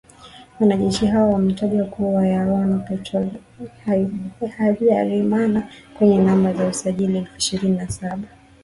Wanajeshi hao wametajwa kuwa Yoano Petro Habyarimana mwenye namba za usajili elfu ishirini na saba Mia saba Sabini na tisa